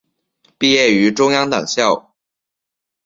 毕业于中央党校。